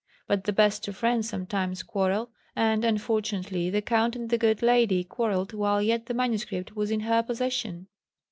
But the best of friends sometimes quarrel, and unfortunately the Count and the good lady quarrelled while yet the MS. was in her possession.